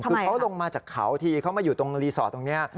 คือเขาลงมาจากเขาทีเขามาอยู่ตรงรีสอร์ทตรงนี้